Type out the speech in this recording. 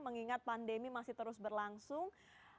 mengingat pandemi masih terus berlangsung